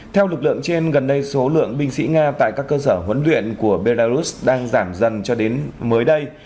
theo lực lượng trên gần đây số lượng binh sĩ nga tại các cơ sở huấn luyện của belarus đang giảm dần cho đến mới đây